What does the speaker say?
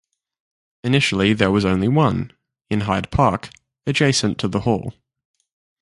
Initially there was only one, in Hyde Park, adjacent to the Hall.